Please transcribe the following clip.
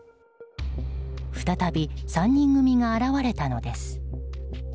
再び３人組が現れたのです。